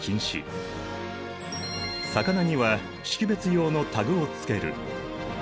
魚には識別用のタグをつける。